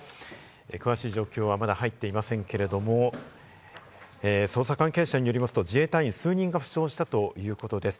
詳しい状況はまだ入っていませんけれども、捜査関係者によりますと自衛隊員数人が負傷したということです。